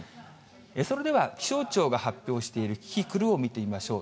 それでは、気象庁が発表しているキキクルを見てみましょう。